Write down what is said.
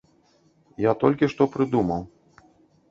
Я толькі што прыдумаў.